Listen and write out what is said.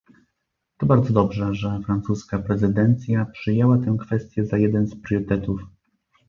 To bardzo dobrze, że francuska prezydencja przyjęła tę kwestię za jeden z priorytetów